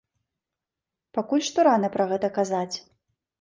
Пакуль што рана пра гэта казаць.